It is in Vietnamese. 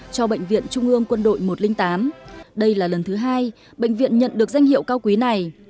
cho bệnh viện trung ương quân đội một trăm linh tám đây là lần thứ hai bệnh viện nhận được danh hiệu cao quý này